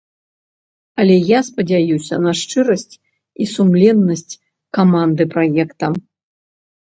Але я спадзяюся на шчырасць і сумленнасць каманды праекта.